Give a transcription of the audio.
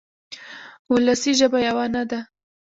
وولسي ژبه یوه نه ده.